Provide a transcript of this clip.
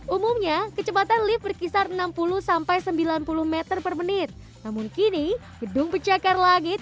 umumnya kecepatan lift berkisar enam puluh sampai sembilan puluh m per menit namun kini gedung pecakar langit